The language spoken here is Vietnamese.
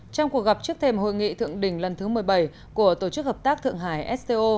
trong cuộc gặp trước thềm hội nghị thượng đỉnh lần thứ một mươi bảy của tổ chức hợp tác thượng hải sco